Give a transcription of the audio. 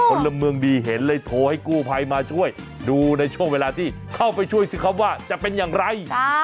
คนละเมืองดีเห็นเลยโทรให้กู้ภัยมาช่วยดูในช่วงเวลาที่เข้าไปช่วยสิครับว่าจะเป็นอย่างไร